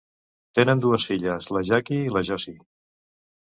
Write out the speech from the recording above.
Tenen dues filles, la Jackie i la Josie.